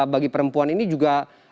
bagi perempuan ini juga